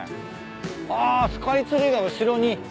あスカイツリーが後ろに。